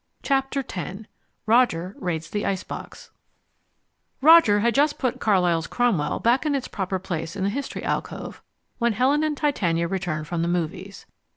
Chapter X Roger Raids the Ice Box Roger had just put Carlyle's Cromwell back in its proper place in the History alcove when Helen and Titania returned from the movies.